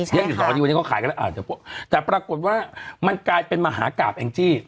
ใช่ค่ะที่แล้วก็ขายกันแต่ปรากฏว่ามันกลายเป็นมหากราบง